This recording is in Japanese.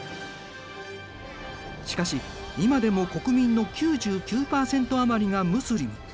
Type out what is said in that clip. しかし今でも国民の９９％余りがムスリム。